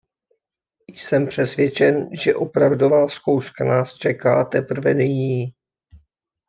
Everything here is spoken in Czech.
Jsem přesvědčen, že opravdová zkouška nás čeká teprve nyní.